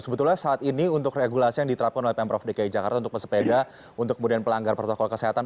sebetulnya saat ini untuk regulasi yang diterapkan oleh pemprov dki jakarta untuk pesepeda untuk kemudian pelanggar protokol kesehatan